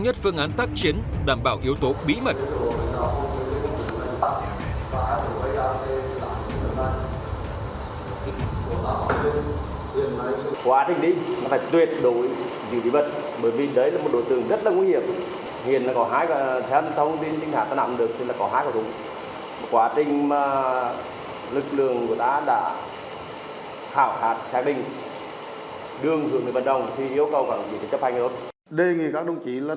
nhất phương án tác chiến đảm bảo yếu tố bí mật của anh đi phải tuyệt đối vì bệnh bởi vì đấy là